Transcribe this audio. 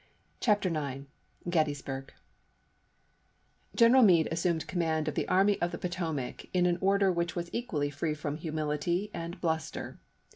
CHAPTER IX GETTYSBURG GENERAL MEADE assumed command of the chap. ix. Army of the Potomac in an order which was equally free from humility and bluster.